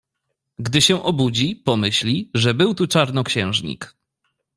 Gdy się obudzi, pomyśli, że był tu czarnoksiężnik.